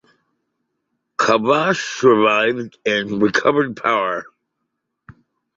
Chavash survived, and recovered power.